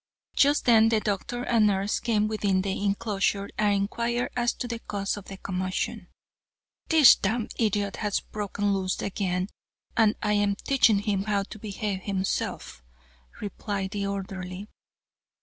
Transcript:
Just then the doctor and nurse came within the inclosure, and inquired as to the cause of the commotion. "This damned idiot has broken loose again, and I am teaching him how to behave himself," replied the orderly.